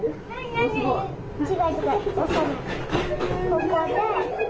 ここで。